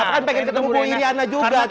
kan pengen ketemu bu iryana juga tiap hari